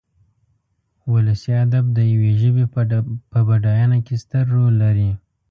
ولسي ادب د يوې ژبې په بډاينه کې ستر رول لري.